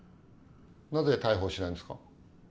なぜ逮捕しないんですか？